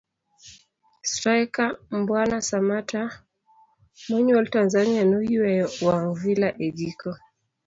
straika Mbwana Samatta monyuol Tanzania noyueyo wang' Villa e giko